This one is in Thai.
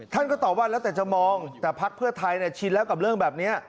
ท่านก็ตอบว่าแล้วแต่จะมองแต่พักเพื่อไทยชินแล้วกับเรื่องแบบนี้